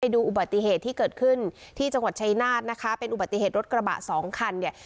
ดูอุบัติเหตุที่เกิดขึ้นที่จังหวัดชายนาฏนะคะเป็นอุบัติเหตุรถกระบะสองคันเนี่ย